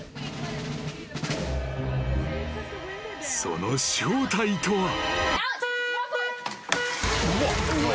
［その正体とは］